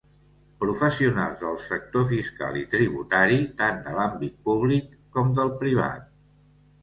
Professionals del sector fiscal i tributari, tant de l'àmbit públic com del privat.